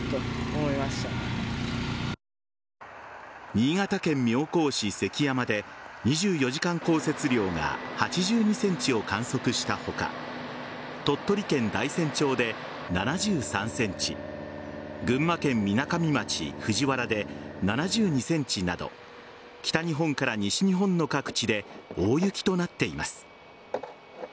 新潟県妙高市関山で２４時間降雪量が８２ｃｍを観測した他鳥取県大山町で７３ｃｍ群馬県みなかみ町藤原で７２ｃｍなど北日本から西日本の各地で大雪となっています。